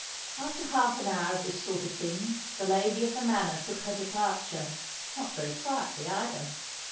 After half an hour of this sort of thing the lady of the Manor took her departure—not very quietly either!